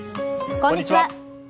こんにちは。